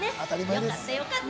よかったよかった！